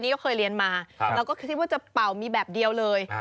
นี่ก็เคยเรียนมาเราก็คิดว่าจะเป่ามีแบบเดียวเลย